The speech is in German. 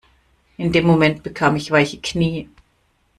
In dem Moment bekam ich weiche Knie.